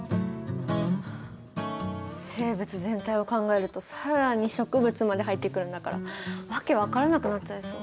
生物全体を考えると更に植物まで入ってくるんだから訳分からなくなっちゃいそう。